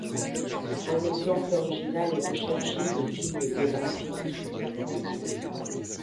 Un exemple original et recherché de film biographique.